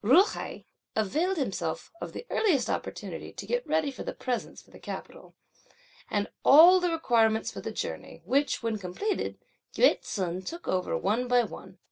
Ju hai availed himself of the earliest opportunity to get ready the presents (for the capital) and all the requirements for the journey, which (when completed,) Yü ts'un took over one by one.